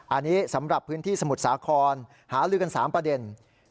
อันนี้สำหรับพื้นที่สมุทรสาครหาลือกัน๓ประเด็น